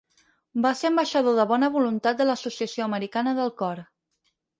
Va ser ambaixador de bona voluntat de l'associació americana del cor.